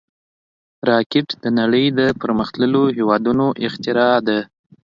راکټ د نړۍ د پرمختللو هېوادونو اختراع ده